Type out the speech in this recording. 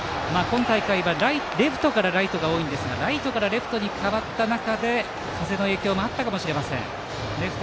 今大会はレフトからライトが多いんですが風がライトからレフトに変わった中で影響があったかもしれません。